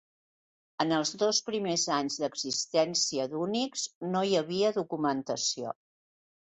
En els dos primers anys d'existència d'Unix no hi havia documentació.